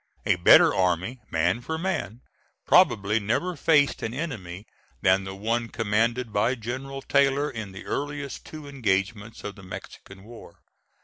A better army, man for man, probably never faced an enemy than the one commanded by General Taylor in the earliest two engagements of the Mexican war.